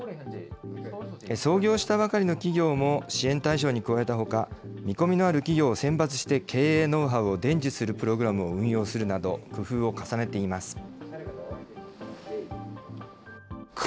創業したばかりの企業も支援対象に加えたほか、見込みのある企業を選抜して経営ノウハウを伝授するプログラムを運用するなど、工夫を重ねています。